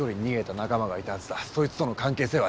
そいつとの関係性は？